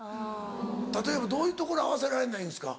例えばどういうところ合わせられないんですか？